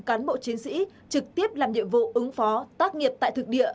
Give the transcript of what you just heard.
cán bộ chiến sĩ trực tiếp làm nhiệm vụ ứng phó tác nghiệp tại thực địa